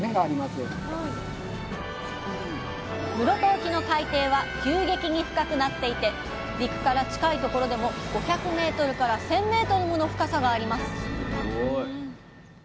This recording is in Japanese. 室戸沖の海底は急激に深くなっていて陸から近いところでも５００ｍから１，０００ｍもの深さがあります